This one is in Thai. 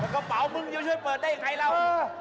กระเป๋ามึงช่วยเปิดได้อย่างไรแล้ว